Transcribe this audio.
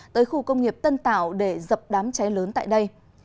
tới khu công nghiệp tân tạo để dập đám cháy lớn tại đây